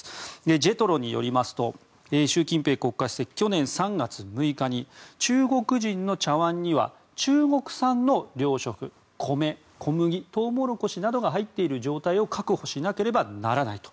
ジェトロによりますと習近平国家主席、去年３月６日に中国人の茶わんには中国産の糧食米、小麦、トウモロコシなどが入っている状態を確保しなければならないと。